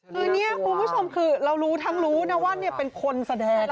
คือนี่คุณผู้ชมคือเรารู้ทั้งรู้นะว่าเป็นคนแสดง